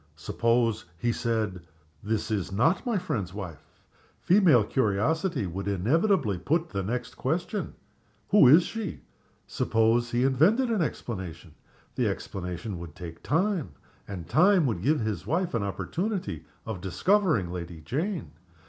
Suppose he said, "She is not my friend's wife?" Female curiosity would inevitably put the next question, "Who is she?" Suppose he invented an explanation? The explanation would take time, and time would give his wife an opportunity of discovering Lady Jane.